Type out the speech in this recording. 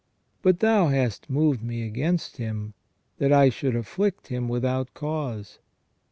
But thou hast moved Me against him, that I should afflict him without cause."